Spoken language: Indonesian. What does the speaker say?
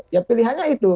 ya pilihannya itu